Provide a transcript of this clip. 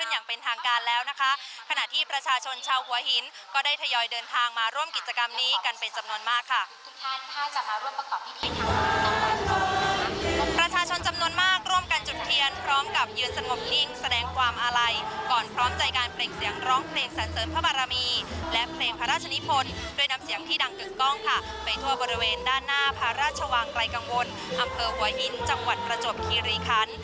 ยังร้องเพลงศาลเซินพระบาลามีและเพลงพระราชนิพลโดยนำเสียงให้ดังเกิดกล้องไปทั่วบริเวณด้านหน้าพระราชวังไกลกลางวนอำเภอหัวหินจังหวัดประจวบคิริคัน